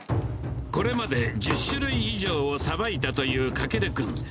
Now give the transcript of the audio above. これまで１０種類以上をさばいたという翔君。